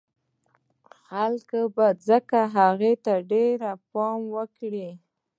خلک به ځکه هغه ته ډېر پام وکړي